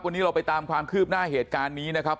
วันนี้เราไปตามความคืบหน้าเหตุการณ์นี้นะครับ